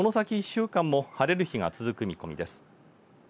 １週間も晴れる日が続く見込みです。